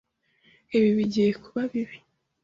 Ibi bigiye kuba bibi?